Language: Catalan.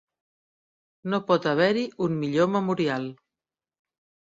No pot haver-hi un millor memorial.